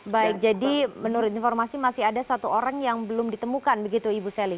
baik jadi menurut informasi masih ada satu orang yang belum ditemukan begitu ibu selly